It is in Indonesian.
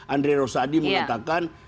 andre rosadi mengatakan